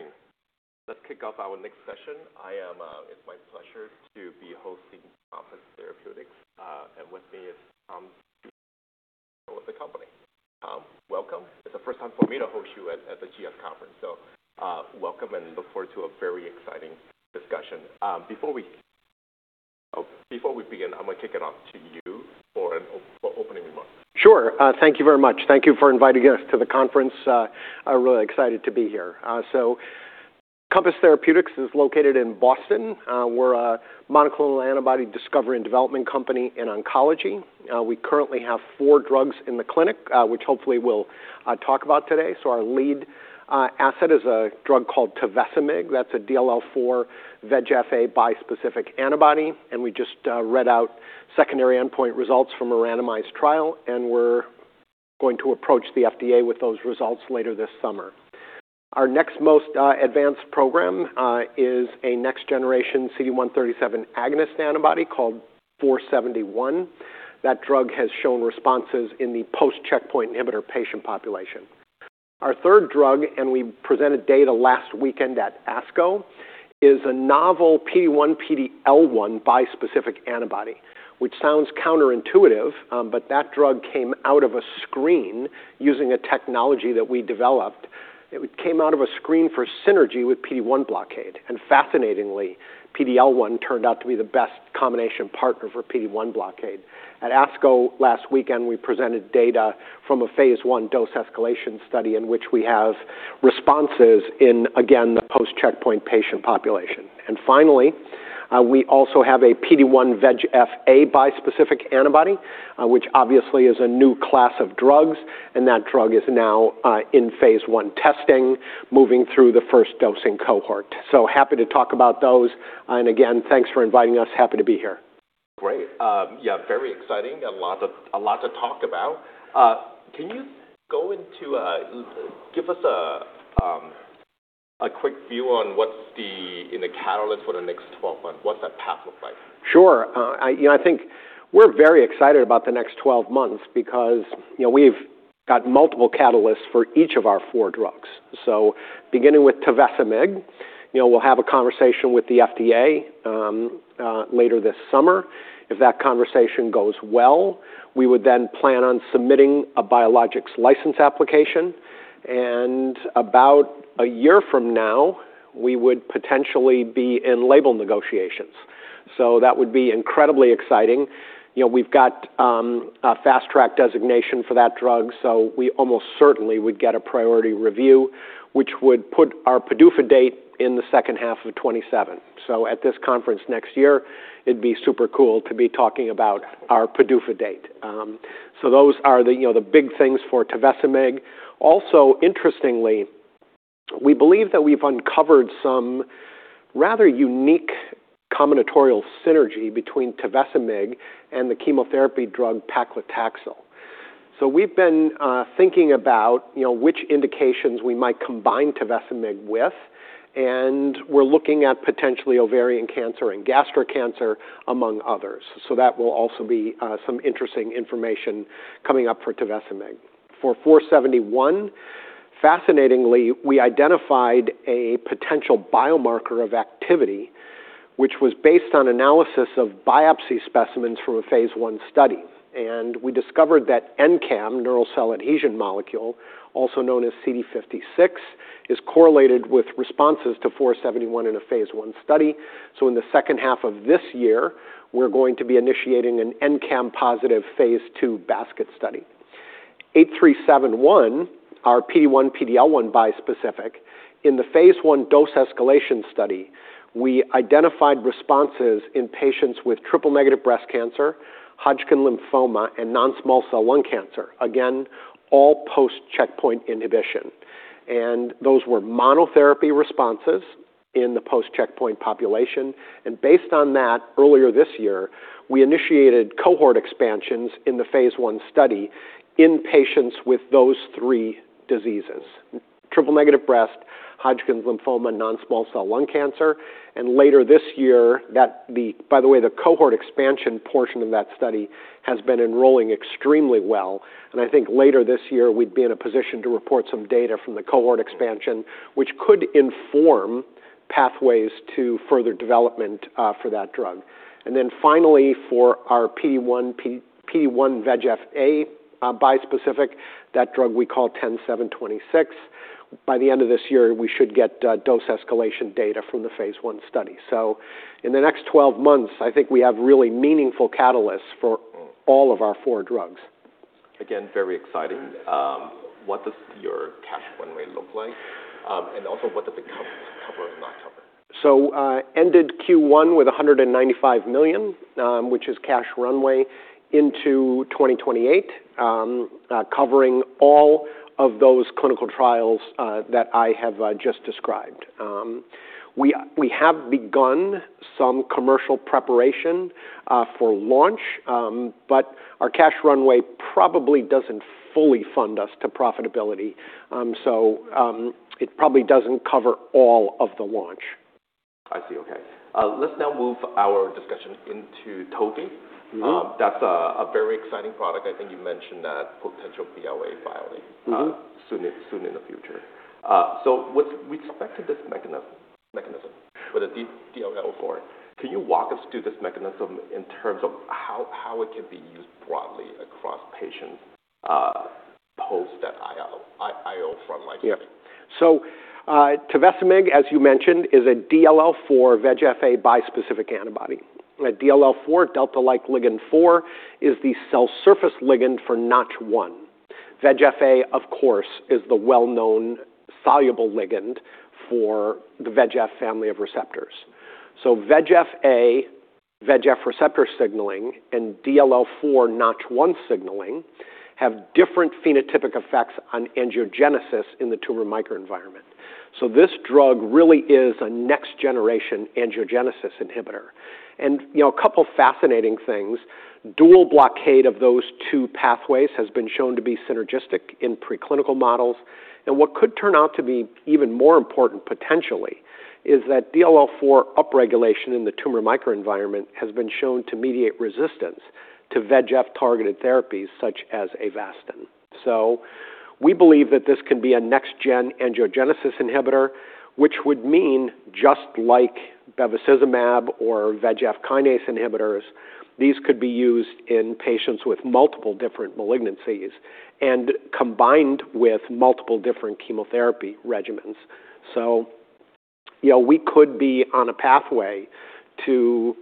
Good morning. Let's kick off our next session. It's my pleasure to be hosting Compass Therapeutics. With me is Tom-- of the company. Welcome. It's the first time for me to host you at the GS conference, welcome and look forward to a very exciting discussion. Before we begin, I'm going to kick it off to you for an opening remark. Sure. Thank you very much. Thank you for inviting us to the conference. Really excited to be here. Compass Therapeutics is located in Boston. We're a monoclonal antibody discovery and development company in oncology. We currently have four drugs in the clinic, which hopefully we'll talk about today. Our lead asset is a drug called tovecimig. That's a DLL4 VEGF-A bispecific antibody, we just read out secondary endpoint results from a randomized trial, and we're going to approach the FDA with those results later this summer. Our next most advanced program is a next generation CD137 agonist antibody called CTX-471. That drug has shown responses in the post-checkpoint inhibitor patient population. Our third drug, we presented data last weekend at ASCO, is a novel PD-1/PD-L1 bispecific antibody, which sounds counterintuitive, but that drug came out of a screen using a technology that we developed. It came out of a screen for synergy with PD-1 blockade, fascinatingly, PD-L1 turned out to be the best combination partner for PD-1 blockade. At ASCO last weekend, we presented data from a phase I dose escalation study in which we have responses in, again, the post-checkpoint patient population. Finally, we also have a PD-1 VEGF-A bispecific antibody, which obviously is a new class of drugs, that drug is now in phase I testing, moving through the first dosing cohort. Happy to talk about those, again, thanks for inviting us. Happy to be here. Great. Yeah, very exciting. A lot to talk about. Can you give us a quick view on what's in the catalyst for the next 12 months? What's that path look like? Sure. I think we're very excited about the next 12 months because we've got multiple catalysts for each of our four drugs. Beginning with tovecimig, we'll have a conversation with the FDA later this summer. If that conversation goes well, we would then plan on submitting a biologics license application, and about a year from now, we would potentially be in label negotiations. That would be incredibly exciting. We've got a fast track designation for that drug, so we almost certainly would get a priority review, which would put our PDUFA date in the second half of 2027. At this conference next year, it'd be super cool to be talking about our PDUFA date. Those are the big things for tovecimig. Also, interestingly, we believe that we've uncovered some rather unique combinatorial synergy between tovecimig and the chemotherapy drug paclitaxel. We've been thinking about which indications we might combine tovecimig with, and we're looking at potentially ovarian cancer and gastric cancer, among others. That will also be some interesting information coming up for tovecimig. For CTX-471, fascinatingly, we identified a potential biomarker of activity, which was based on analysis of biopsy specimens from a phase I study, and we discovered that NCAM, neural cell adhesion molecule, also known as CD56, is correlated with responses to CTX-471 in a phase I study. In the second half of this year, we're going to be initiating an NCAM positive phase II basket study. CTX-8371, our PD-1/PD-L1 bispecific, in the phase I dose escalation study, we identified responses in patients with triple-negative breast cancer, Hodgkin lymphoma, and non-small cell lung cancer. Again, all post-checkpoint inhibition. Those were monotherapy responses in the post-checkpoint population, and based on that, earlier this year, we initiated cohort expansions in the phase I study in patients with those three diseases, triple-negative breast, Hodgkin lymphoma, non-small cell lung cancer. Later this year, by the way, the cohort expansion portion of that study has been enrolling extremely well, and I think later this year, we'd be in a position to report some data from the cohort expansion, which could inform pathways to further development for that drug. Then finally, for our PD-1 VEGF-A bispecific, that drug we call CTX-10726. By the end of this year, we should get dose escalation data from the phase I study. In the next 12 months, I think we have really meaningful catalysts for all of our four drugs. Again, very exciting. What does your cash runway look like? Also, what does it cover and not cover? Ended Q1 with $195 million, which is cash runway into 2028, covering all of those clinical trials that I have just described. We have begun some commercial preparation for launch, but our cash runway probably doesn't fully fund us to profitability. It probably doesn't cover all of the launch. I see. Okay. Let's now move our discussion into tovecimig. That's a very exciting product. I think you mentioned that potential BLA filing. Soon in the future. With respect to this mechanism, with the DLL4, can you walk us through this mechanism in terms of how it can be used broadly across patients post that IO front line setting? Yeah. tovecimig, as you mentioned, is a DLL4 VEGF bispecific antibody. DLL4, delta-like ligand 4, is the cell surface ligand for Notch1. VEGF-A, of course, is the well-known soluble ligand for the VEGF family of receptors. VEGF-A, VEGF receptor signaling, and DLL4 Notch1 signaling have different phenotypic effects on angiogenesis in the tumor microenvironment. This drug really is a next-gen angiogenesis inhibitor. A couple fascinating things, dual blockade of those two pathways has been shown to be synergistic in preclinical models, and what could turn out to be even more important, potentially, is that DLL4 upregulation in the tumor microenvironment has been shown to mediate resistance to VEGF-targeted therapies such as Avastin. We believe that this can be a next-gen angiogenesis inhibitor, which would mean just like bevacizumab or VEGF kinase inhibitors, these could be used in patients with multiple different malignancies and combined with multiple different chemotherapy regimens. We could be on a pathway to,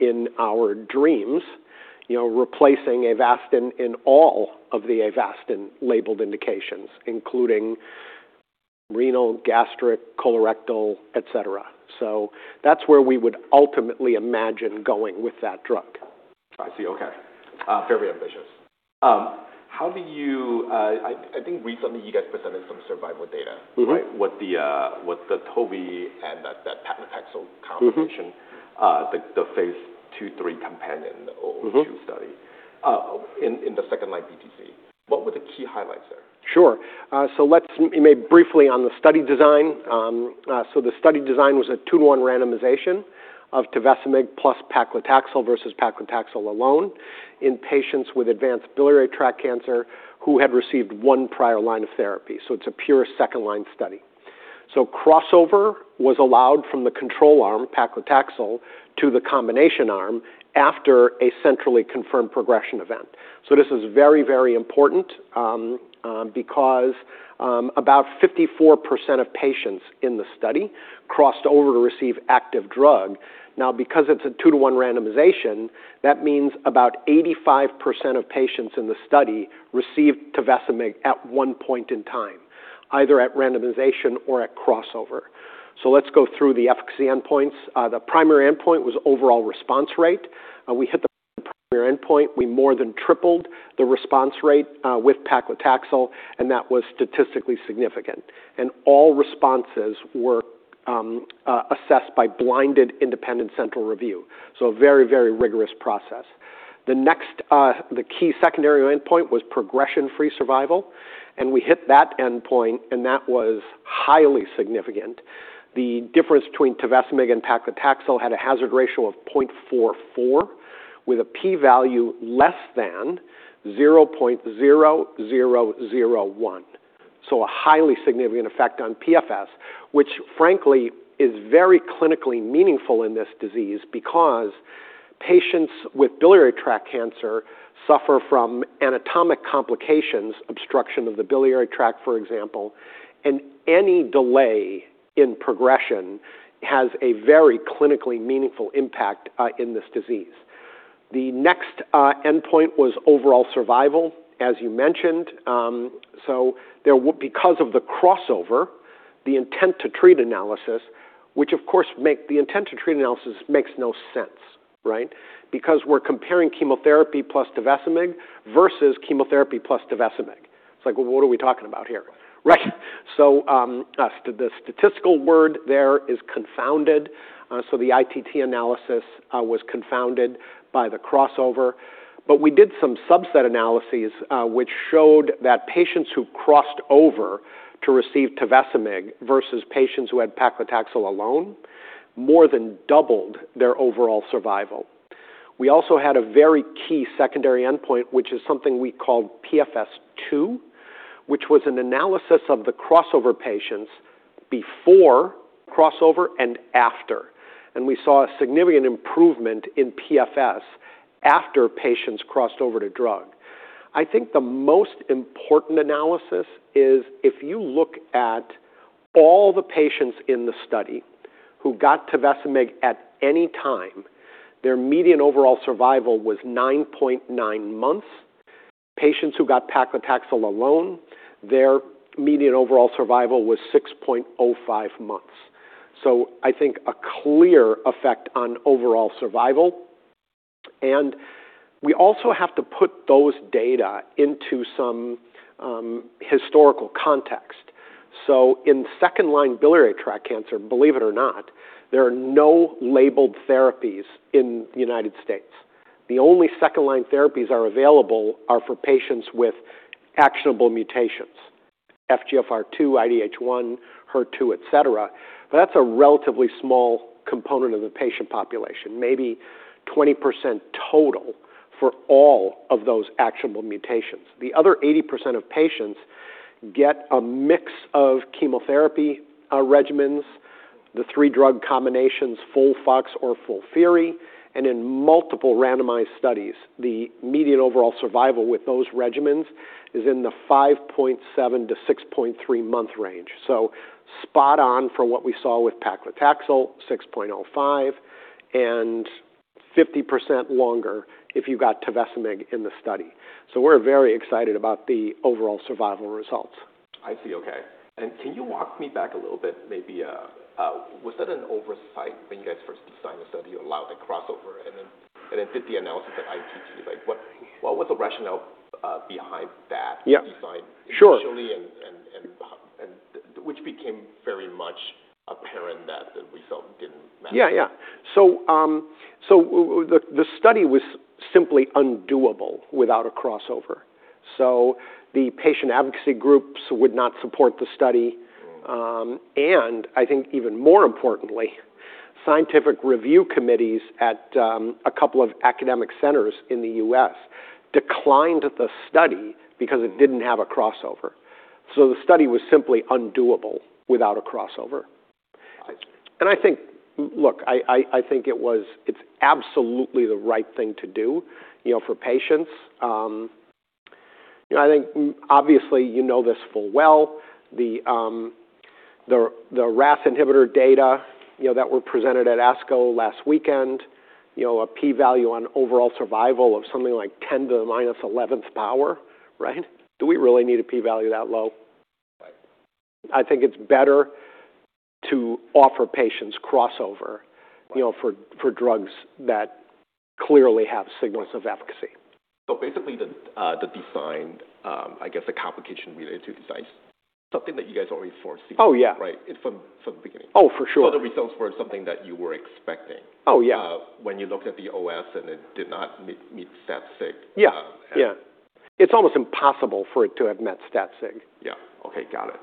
in our dreams, replacing Avastin in all of the Avastin labeled indications, including renal, gastric, colorectal, etc. That's where we would ultimately imagine going with that drug. I see. Okay. Very ambitious. I think recently you guys presented some survival data with the tovecimig and that paclitaxel combination the phase II/III COMPANION-002 study, in the second-line BTC. What were the key highlights there? Sure. Let's briefly on the study design. The study design was a two-to-one randomization of tovecimig plus paclitaxel versus paclitaxel alone in patients with advanced biliary tract cancer who had received one prior line of therapy. It's a pure second-line study. Crossover was allowed from the control arm, paclitaxel, to the combination arm after a centrally confirmed progression event. This is very, very important because about 54% of patients in the study crossed over to receive active drug. Because it's a two-to-one randomization, that means about 85% of patients in the study received tovecimig at one point in time, either at randomization or at crossover. Let's go through the efficacy endpoints. The primary endpoint was overall response rate. We hit the primary endpoint. We more than tripled the response rate with paclitaxel, and that was statistically significant, and all responses were assessed by blinded independent central review. A very, very rigorous process. The key secondary endpoint was progression-free survival, and we hit that endpoint, and that was highly significant. The difference between tovecimig and paclitaxel had a hazard ratio of 0.44 with a P value less than 0.0001. A highly significant effect on PFS, which frankly is very clinically meaningful in this disease because patients with biliary tract cancer suffer from anatomic complications, obstruction of the biliary tract, for example, and any delay in progression has a very clinically meaningful impact in this disease. The next endpoint was overall survival, as you mentioned. Because of the crossover, the intent to treat analysis, which of course, the intent to treat analysis makes no sense, right? We're comparing chemotherapy plus tovecimig versus chemotherapy plus tovecimig. It's like, well, what are we talking about here, right? The statistical word there is confounded. The ITT analysis was confounded by the crossover. We did some subset analyses, which showed that patients who crossed over to receive tovecimig versus patients who had paclitaxel alone more than doubled their overall survival. We also had a very key secondary endpoint, which is something we called PFS2, which was an analysis of the crossover patients before crossover and after. We saw a significant improvement in PFS after patients crossed over to drug. I think the most important analysis is if you look at all the patients in the study who got tovecimig at any time, their median overall survival was 9.9 months. Patients who got paclitaxel alone, their median overall survival was 6.05 months. I think a clear effect on overall survival, we also have to put those data into some historical context. In second-line biliary tract cancer, believe it or not, there are no labeled therapies in the U.S. The only second-line therapies available are for patients with actionable mutations FGFR2, IDH1, HER2, etc. That's a relatively small component of the patient population, maybe 20% total for all of those actionable mutations. The other 80% of patients get a mix of chemotherapy regimens, the three drug combinations, FOLFOX or FOLFIRI. In multiple randomized studies, the median overall survival with those regimens is in the five point seven to six point three month range. Spot on for what we saw with paclitaxel, 6.05, and 50% longer if you got tovecimig in the study. We're very excited about the overall survival results. I see. Okay. Can you walk me back a little bit, maybe, was that an oversight when you guys first designed the study to allow the crossover and then did the analysis at ITT? What was the rationale behind that- Yeah. ...design initially- Sure. ...which became very much apparent that the result didn't matter? The study was simply undoable without a crossover. The patient advocacy groups would not support the study, and I think even more importantly, scientific review committees at a couple of academic centers in the U.S. declined the study because it didn't have a crossover. The study was simply undoable without a crossover. I see. I think it's absolutely the right thing to do for patients. I think, obviously, you know this full well, the RAS inhibitor data that were presented at ASCO last weekend, a P value on overall survival of something like 10 to the -11th power, right? Do we really need a P value that low? Right. I think it's better to offer patients crossover- Right. ...for drugs that clearly have signals of efficacy. Basically, the design, I guess the complication related to design is something that you guys already foreseen. Oh, yeah. Right. From the beginning. Oh, for sure. The results were something that you were expecting? Oh, yeah. When you looked at the OS and it did not meet stat sig. Yeah. It's almost impossible for it to have met stat sig. Yeah. Okay. Got it.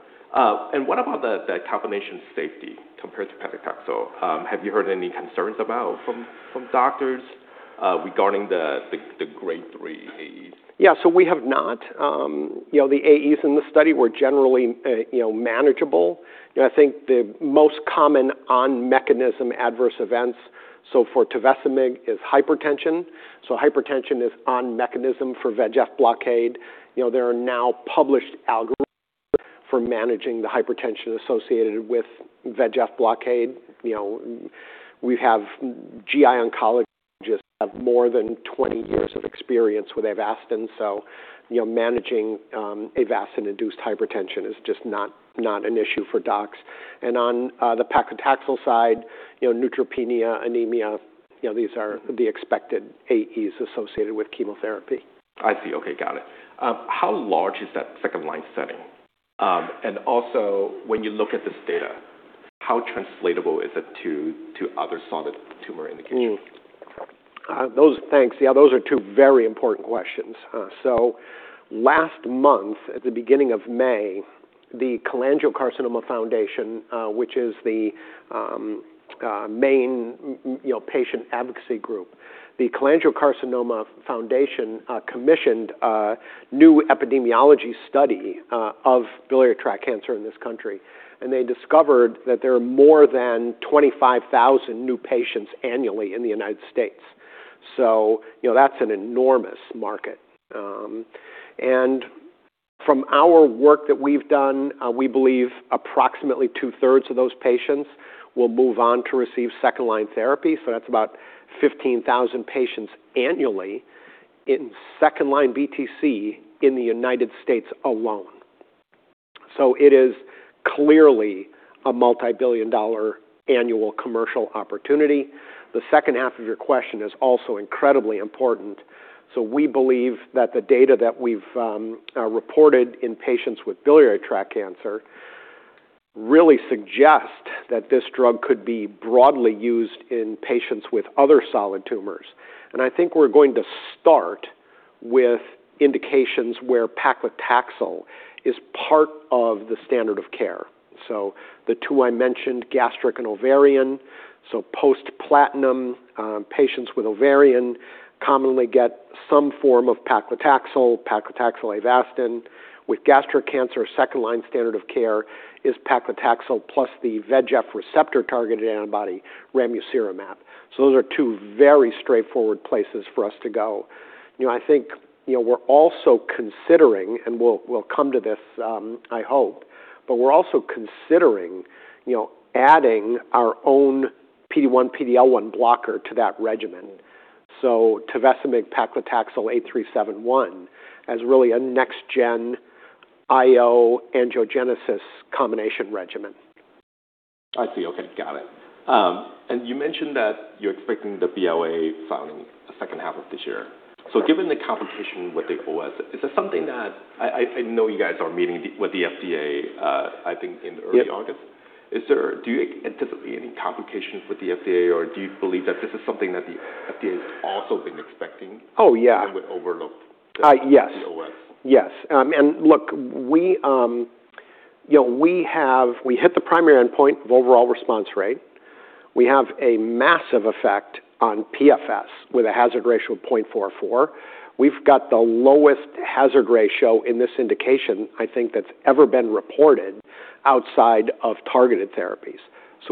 What about the combination safety compared to paclitaxel? Have you heard any concerns about from doctors regarding the grade III AEs? Yeah, so we have not. The AEs in the study were generally manageable. I think the most common on-mechanism adverse events, so for tovecimig is hypertension, so hypertension is on mechanism for VEGF blockade. There are now published algorithms for managing the hypertension associated with VEGF blockade. We have GI oncologists have more than 20 years of experience with Avastin, so managing Avastin-induced hypertension is just not an issue for docs. On the paclitaxel side, neutropenia, anemia, these are the expected AEs associated with chemotherapy. I see. Okay, got it. How large is that second-line setting? Also, when you look at this data, how translatable is it to other solid tumor indications? Thanks. Yeah, those are two very important questions. Last month, at the beginning of May, the Cholangiocarcinoma Foundation, which is the main patient advocacy group, the Cholangiocarcinoma Foundation commissioned a new epidemiology study of biliary tract cancer in this country, and they discovered that there are more than 25,000 new patients annually in the U.S. That's an enormous market. From our work that we've done, we believe approximately 2/3 of those patients will move on to receive second-line therapy, so that's about 15,000 patients annually in second-line BTC in the U.S. alone. It is clearly a multi $1 billion annual commercial opportunity. The second half of your question is also incredibly important. We believe that the data that we've reported in patients with biliary tract cancer really suggest that this drug could be broadly used in patients with other solid tumors. I think we're going to start with indications where paclitaxel is part of the standard of care. The two I mentioned, gastric and ovarian, so post platinum, patients with ovarian commonly get some form of paclitaxel Avastin. With gastric cancer, second-line standard of care is paclitaxel plus the VEGF receptor-targeted antibody ramucirumab. Those are two very straightforward places for us to go. I think we're also considering, and we'll come to this, I hope, but we're also considering adding our own PD-1, PD-L1 blocker to that regimen. Tovecimig, paclitaxel 8371 as really a next gen IO angiogenesis combination regimen. I see. Okay. Got it. You mentioned that you're expecting the BLA filing the second half of this year. Given the complication with the OS, I know you guys are meeting with the FDA, I think in early August. Do you anticipate any complications with the FDA, or do you believe that this is something that the FDA has also been expecting- Oh, yeah. ...and would overlook- Yes. ...the OS? Yes. Look, we hit the primary endpoint of overall response rate. We have a massive effect on PFS with a hazard ratio of 0.44. We've got the lowest hazard ratio in this indication, I think, that's ever been reported outside of targeted therapies.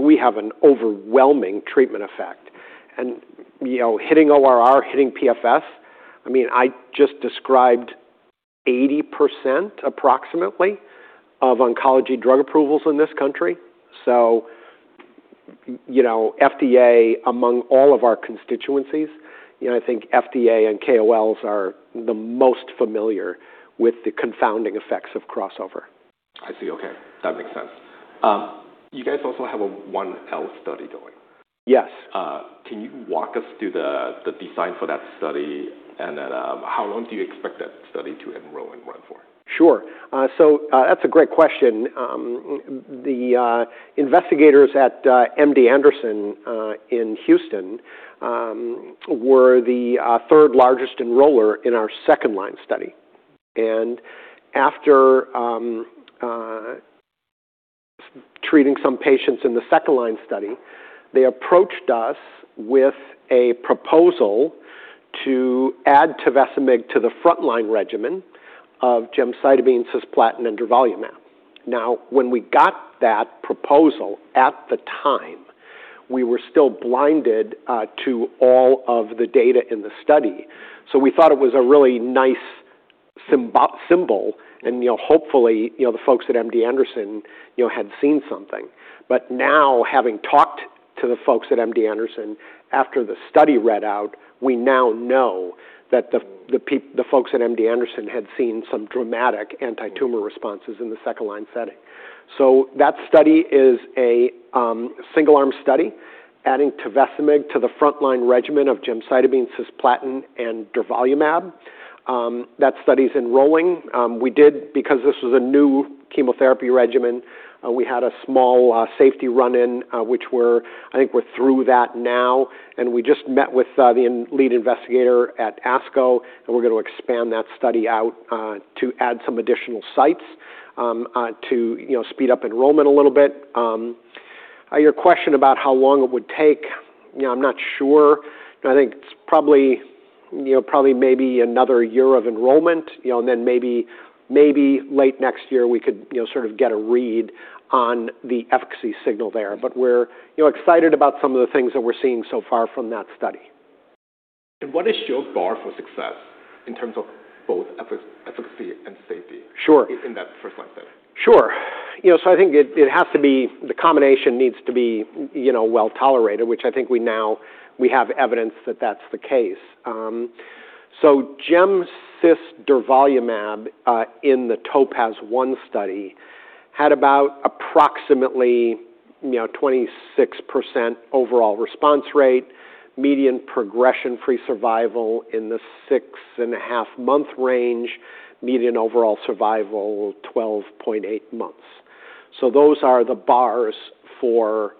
We have an overwhelming treatment effect and hitting ORR, hitting PFS, I just described 80%, approximately, of oncology drug approvals in this country. FDA, among all of our constituencies, I think FDA and KOLs are the most familiar with the confounding effects of crossover. I see. Okay, that makes sense. You guys also have a 1L study going. Yes. Can you walk us through the design for that study, and then how long do you expect that study to enroll and run for? Sure. That's a great question. The investigators at MD Anderson in Houston were the third-largest enroller in our second-line study. After treating some patients in the second-line study, they approached us with a proposal to add tovecimig to the frontline regimen of gemcitabine, cisplatin, and durvalumab. Now, when we got that proposal, at the time, we were still blinded to all of the data in the study. We thought it was a really nice symbol and hopefully, the folks at MD Anderson had seen something. Now, having talked to the folks at MD Anderson after the study read out, we now know that the folks at MD Anderson had seen some dramatic anti-tumor responses in the second-line setting. That study is a single-arm study adding tovecimig to the frontline regimen of gemcitabine, cisplatin, and durvalumab. That study's enrolling. Because this was a new chemotherapy regimen, we had a small safety run-in, which I think we're through that now. We just met with the lead investigator at ASCO, and we're going to expand that study out to add some additional sites to speed up enrollment a little bit. Your question about how long it would take, I'm not sure. I think it's probably maybe another year of enrollment, and then maybe late next year we could sort of get a read on the efficacy signal there. We're excited about some of the things that we're seeing so far from that study. What is your bar for success in terms of both efficacy and safety- Sure. ...in that first-line setting? Sure. I think the combination needs to be well-tolerated, which I think we now have evidence that that's the case. gem/cis/durvalumab in the TOPAZ-1 study had about approximately 26% overall response rate, median progression-free survival in the six and a half month range, median overall survival 12.8 months. Those are the bars for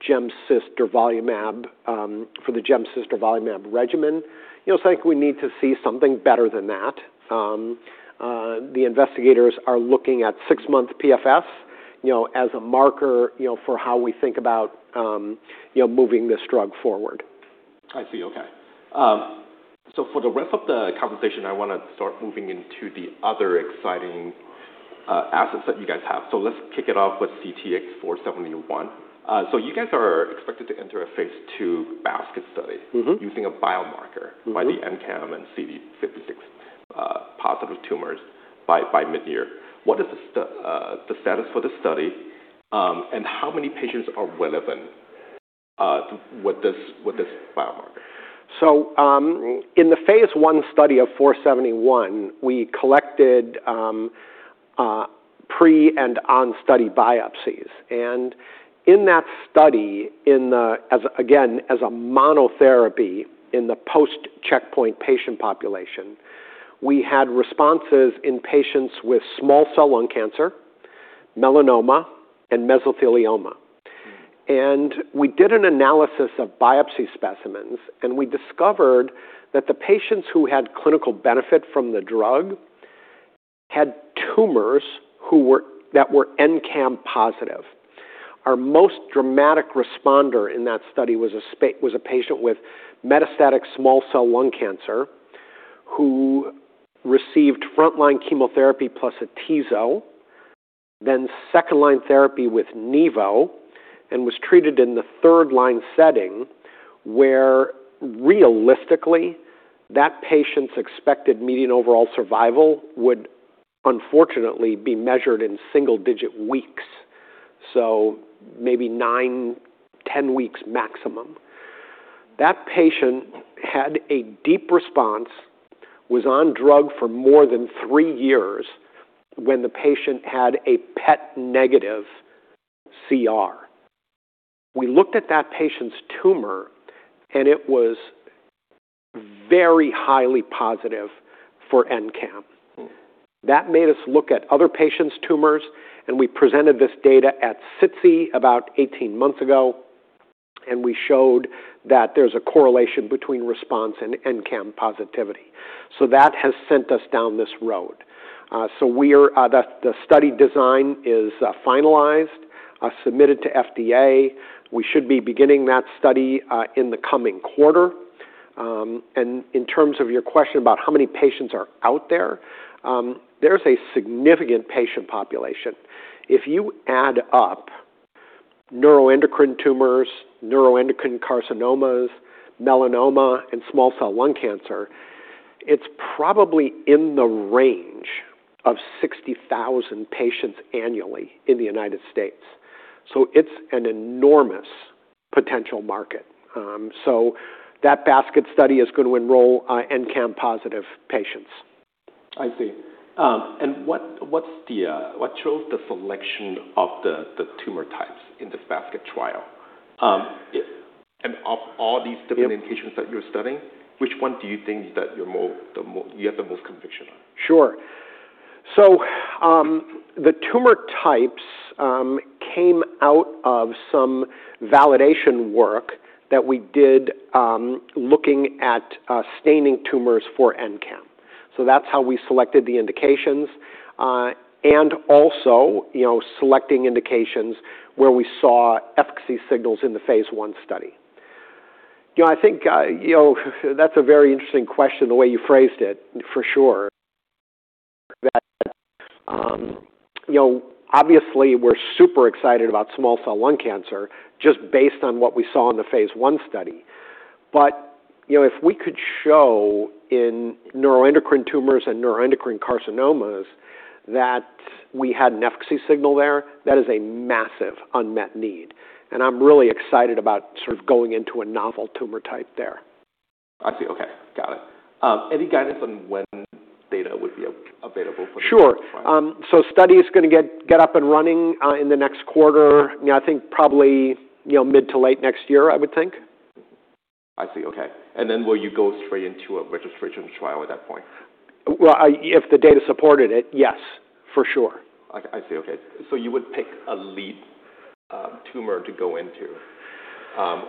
the gem/cis/durvalumab regimen. I think we need to see something better than that. The investigators are looking at six-month PFS, as a marker for how we think about moving this drug forward. I see. Okay. For the rest of the conversation, I want to start moving into the other exciting assets that you guys have. Let's kick it off with CTX-471. You guys are expected to enter a phase II basket study using a biomarker by the NCAM and CD56 positive tumors by mid-year. What is the status for the study, and how many patients are relevant with this biomarker? In the phase I study of CTX-471, we collected pre and on-study biopsies, and in that study, again, as a monotherapy in the post-checkpoint patient population, we had responses in patients with small cell lung cancer, melanoma, and mesothelioma. We did an analysis of biopsy specimens, and we discovered that the patients who had clinical benefit from the drug had tumors that were NCAM positive. Our most dramatic responder in that study was a patient with metastatic small cell lung cancer who received frontline chemotherapy plus atezolizumab, then second-line therapy with nivolumab, and was treated in the third-line setting, where realistically, that patient's expected median overall survival would unfortunately be measured in single-digit weeks. Maybe nine, 10 weeks maximum. That patient had a deep response, was on drug for more than three years when the patient had a PET-negative CR. We looked at that patient's tumor, and it was very highly positive for NCAM. That made us look at other patients' tumors. We presented this data at SITC about 18 months ago. We showed that there's a correlation between response and NCAM positivity. That has sent us down this road. The study design is finalized, submitted to FDA. We should be beginning that study in the coming quarter. In terms of your question about how many patients are out there's a significant patient population. If you add up neuroendocrine tumors, neuroendocrine carcinomas, melanoma, and small cell lung cancer, it's probably in the range of 60,000 patients annually in the U.S. It's an enormous potential market. That basket study is going to enroll NCAM-positive patients. I see. What shows the selection of the tumor types in this basket trial? Of all these different indications that you're studying, which one do you think that you have the most conviction on? Sure. The tumor types came out of some validation work that we did looking at staining tumors for NCAM. That's how we selected the indications, and also selecting indications where we saw efficacy signals in the phase I study. I think that's a very interesting question the way you phrased it, for sure, that obviously we're super excited about small cell lung cancer just based on what we saw in the phase I study. If we could show in neuroendocrine tumors and neuroendocrine carcinomas that we had an efficacy signal there, that is a massive unmet need, and I'm really excited about going into a novel tumor type there. I see. Okay. Got it. Any guidance on when data would be available for the trial? Sure. Study's going to get up and running in the next quarter. I think probably mid to late next year, I would think. I see. Okay. Will you go straight into a registration trial at that point? Well, if the data supported it, yes, for sure. I see. Okay. You would pick a lead tumor to go into,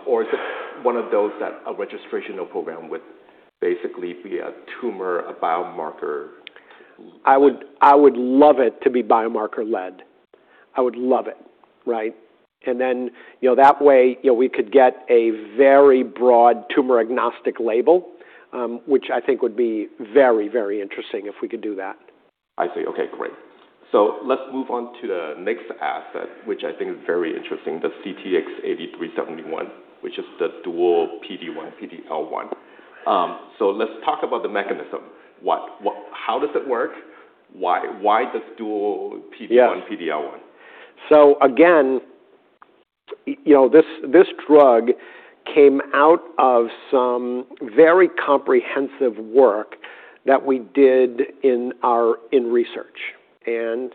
or is it one of those that a registrational program would basically be a tumor, a biomarker lead? I would love it to be biomarker lead. I would love it. Right. That way we could get a very broad tumor agnostic label, which I think would be very interesting if we could do that. I see. Okay, great. Let's move on to the next asset, which I think is very interesting, the CTX-8371, which is the dual PD-1, PD-L1. Let's talk about the mechanism. How does it work? Why does dual PD-1, PD-L1? Again, this drug came out of some very comprehensive work that we did in research and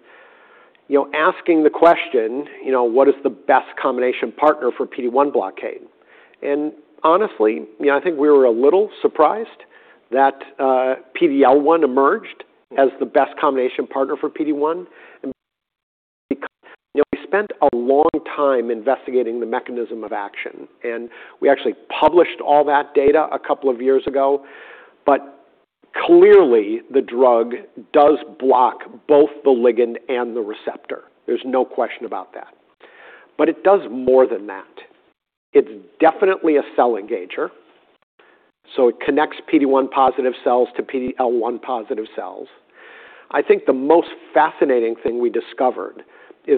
asking the question, what is the best combination partner for PD-1 blockade? Honestly, I think we were a little surprised that PD-L1 emerged as the best combination partner for PD-1 because we spent a long time investigating the mechanism of action, and we actually published all that data a couple of years ago. Clearly, the drug does block both the ligand and the receptor. There's no question about that. It does more than that. It's definitely a cell engager. It connects PD-1 positive cells to PD-L1 positive cells. I think the most fascinating thing we discovered is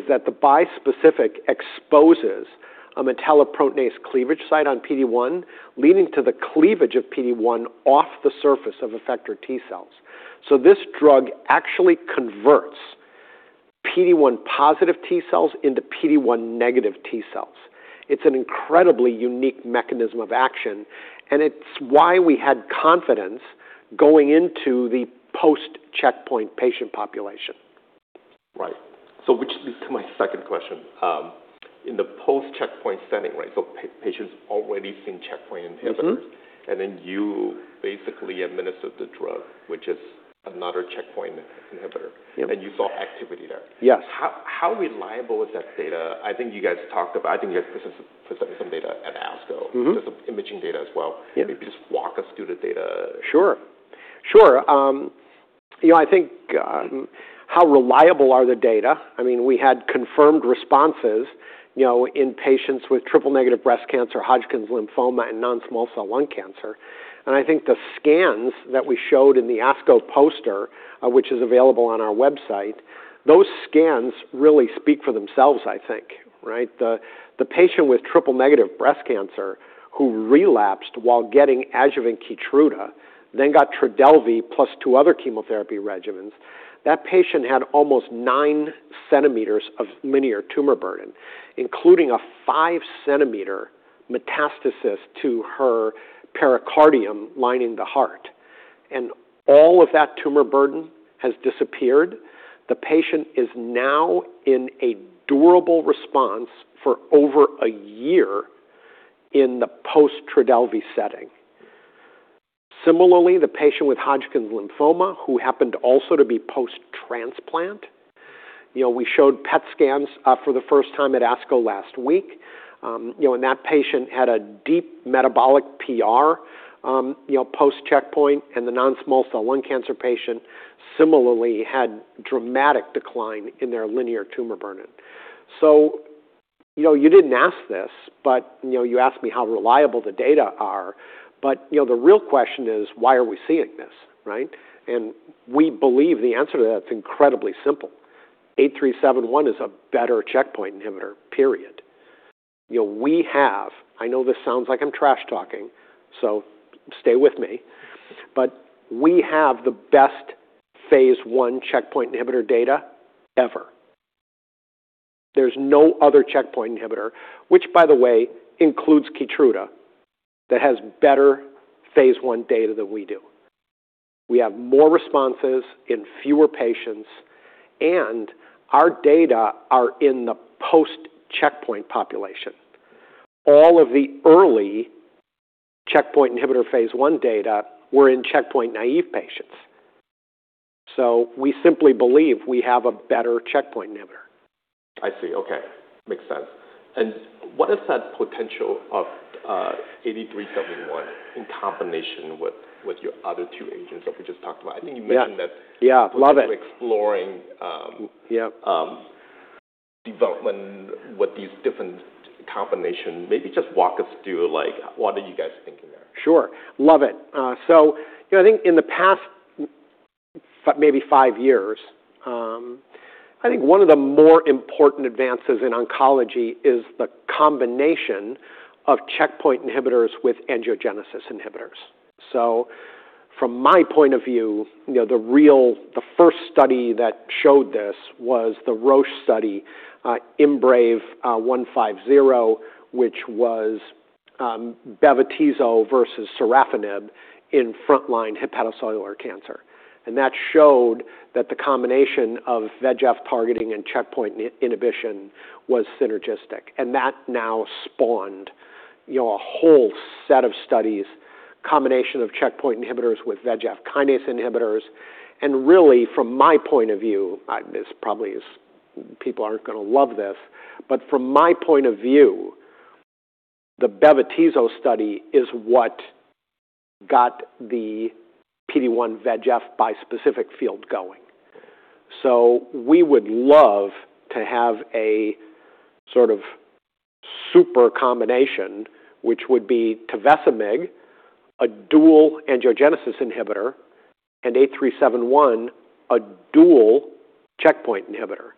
that the bispecific exposes a metalloproteinase cleavage site on PD-1, leading to the cleavage of PD-1 off the surface of effector T cells. This drug actually converts PD-1 positive T cells into PD-1 negative T cells. It's an incredibly unique mechanism of action, and it's why we had confidence going into the post-checkpoint patient population. Right. Which leads to my second question. In the post-checkpoint setting, right, patients already seeing checkpoint inhibitors. You basically administered the drug, which is another checkpoint inhibitor. Yep. You saw activity there. Yes. How reliable is that data? I think you guys presented some data at ASCO. Some imaging data as well. Yeah. Maybe just walk us through the data. Sure. I think how reliable are the data? We had confirmed responses in patients with triple-negative breast cancer, Hodgkin's lymphoma, and non-small cell lung cancer. I think the scans that we showed in the ASCO poster, which is available on our website, those scans really speak for themselves, I think, right? The patient with triple-negative breast cancer who relapsed while getting adjuvant KEYTRUDA, then got TRODELVY +2 other chemotherapy regimens, that patient had almost nine centimeters of linear tumor burden, including a five-centimeter metastasis to her pericardium lining the heart. All of that tumor burden has disappeared. The patient is now in a durable response for over a year in the post-TRODELVY setting. Similarly, the patient with Hodgkin's lymphoma, who happened also to be post-transplant. We showed PET scans for the first time at ASCO last week. That patient had a deep metabolic PR post-checkpoint, the non-small cell lung cancer patient similarly had dramatic decline in their linear tumor burden. You didn't ask this, you asked me how reliable the data are, but the real question is why are we seeing this, right? We believe the answer to that's incredibly simple. CTX-8371 is a better checkpoint inhibitor, period. We have, I know this sounds like I'm trash talking, so stay with me, but we have the best phase I checkpoint inhibitor data ever. There's no other checkpoint inhibitor, which by the way, includes KEYTRUDA, that has better phase I data than we do. We have more responses in fewer patients, and our data are in the post-checkpoint population. All of the early checkpoint inhibitor phase I data were in checkpoint-naive patients. We simply believe we have a better checkpoint inhibitor. I see. Okay. Makes sense. What is that potential of CTX-8371 in combination with your other two agents that we just talked about? I think you mentioned that. Yeah. Love it. You're exploring- Yep. ...development with these different combination. Maybe just walk us through what are you guys thinking there? Sure. Love it. I think in the past maybe five years, I think one of the more important advances in oncology is the combination of checkpoint inhibitors with angiogenesis inhibitors. From my point of view, the first study that showed this was the Roche study, IMbrave150, which was bevacizumab versus sorafenib in frontline hepatocellular cancer. That showed that the combination of VEGF targeting and checkpoint inhibition was synergistic, and that now spawned a whole set of studies, combination of checkpoint inhibitors with VEGF kinase inhibitors. Really, from my point of view, people aren't going to love this, but from my point of view, the bevacizumab study is what got the PD-1 VEGF bispecific field going. We would love to have a sort of super combination, which would be tovecimig, a dual angiogenesis inhibitor, and CTX-8371, a dual checkpoint inhibitor.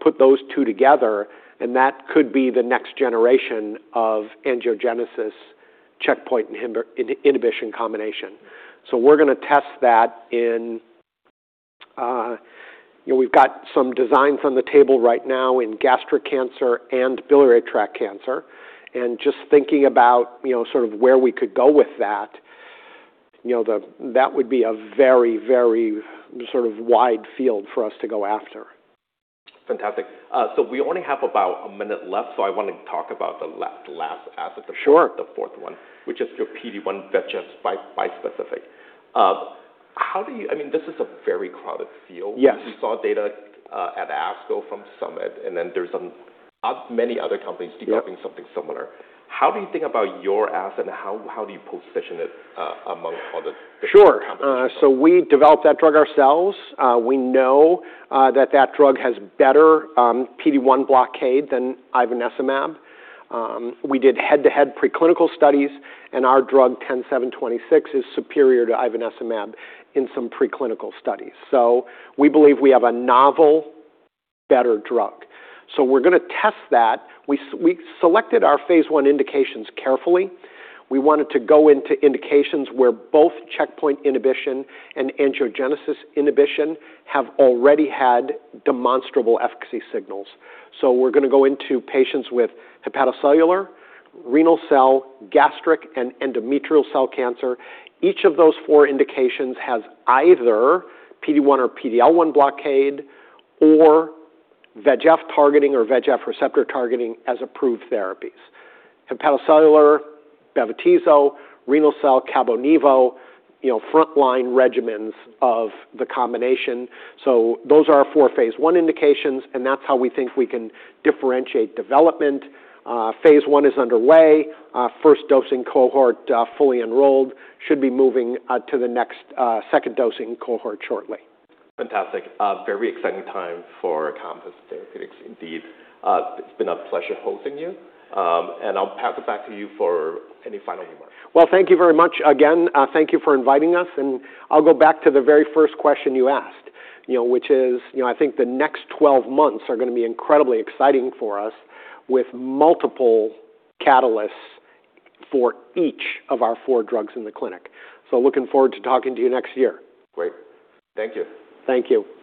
Put those two together, that could be the next generation of angiogenesis checkpoint inhibition combination. We're going to test that. We've got some designs on the table right now in gastric cancer and biliary tract cancer. Just thinking about sort of where we could go with that would be a very wide field for us to go after. Fantastic. We only have about a minute left, I want to talk about the last asset- Sure. ...the fourth one, which is your PD-1 VEGF bispecific. This is a very crowded field. Yes. We saw data at ASCO from Summit, and then there's many other companies- Yep. ...developing something similar. How do you think about your asset and how do you position it among all the other companies? Sure. We developed that drug ourselves. We know that drug has better PD-1 blockade than ivonescimab. We did head-to-head preclinical studies, our drug, CTX-10726, is superior to ivonescimab in some preclinical studies. We believe we have a novel, better drug. We're going to test that. We selected our phase I indications carefully. We wanted to go into indications where both checkpoint inhibition and angiogenesis inhibition have already had demonstrable efficacy signals. We're going to go into patients with hepatocellular, renal cell, gastric, and endometrial cell cancer. Each of those four indications has either PD-1 or PD-L1 blockade or VEGF targeting or VEGF receptor targeting as approved therapies. Hepatocellular, bevacizumab, renal cell, CABOMETYX, frontline regimens of the combination. Those are our four phase I indications, and that's how we think we can differentiate development. Phase I is underway. First dosing cohort fully enrolled. Should be moving to the next second dosing cohort shortly. Fantastic. A very exciting time for Compass Therapeutics indeed. It's been a pleasure hosting you. I'll pass it back to you for any final remarks. Well, thank you very much again. Thank you for inviting us. I'll go back to the very first question you asked, which is, I think the next 12 months are going to be incredibly exciting for us with multiple catalysts for each of our four drugs in the clinic. Looking forward to talking to you next year. Great. Thank you. Thank you.